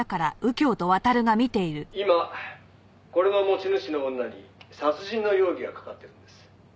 「今これの持ち主の女に殺人の容疑がかかってるんです」